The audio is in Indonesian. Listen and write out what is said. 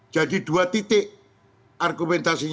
jadi dua titik argumentasinya